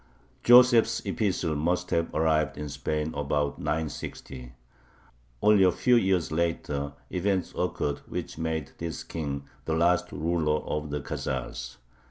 Joseph's epistle must have arrived in Spain about 960. Only a few years later events occurred which made this King the last ruler of the Khazars.